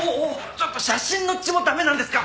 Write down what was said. ちょっと写真の血も駄目なんですか？